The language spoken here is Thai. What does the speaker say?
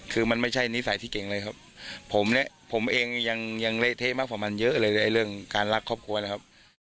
คือมันไม่ใช่นิสัยที่เก่งเลยครับผมเนี่ยผมเองยังเละเทะมากกว่ามันเยอะเลยเรื่องการรักครอบครัวนะครับ